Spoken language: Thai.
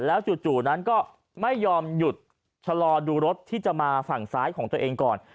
จู่นั้นก็ไม่ยอมหยุดชะลอดูรถที่จะมาฝั่งซ้ายของตัวเองก่อน